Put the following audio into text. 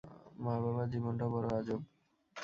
মা-বাবার জীবনটাও বড় আজব!